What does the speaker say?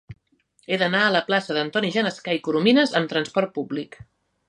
He d'anar a la plaça d'Antoni Genescà i Corominas amb trasport públic.